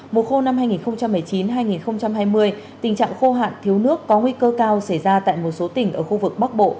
mùa khô năm hai nghìn một mươi chín hai nghìn hai mươi tình trạng khô hạn thiếu nước có nguy cơ cao xảy ra tại một số tỉnh ở khu vực bắc bộ